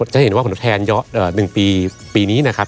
จะเห็นว่าผลแทนย้อน๑ปีปีนี้นะครับ